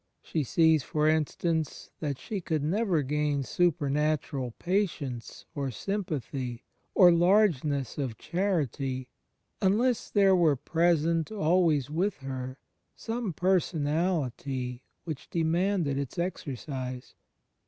She sees, for instance, that she could never gain super CHRIST IN THE INTERIOR SOUL 3$ natural patience or sympathy or largeness of charity, xinless there were present always with her some per sonality which demanded its exercise.